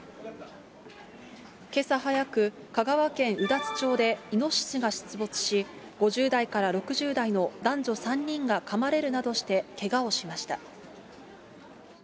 けさ早く、香川県うだつ町でイノシシが出没し、５０代から６０代の男女３人がかまれるなどしてけがをしました。